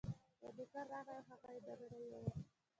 یو نوکر راغی او هغه یې دننه یووړ.